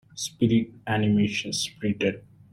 Spirit animation Spirited.